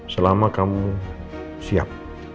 selama kamu siap